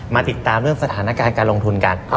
ติดตามเรื่องสถานการณ์การลงทุนกัน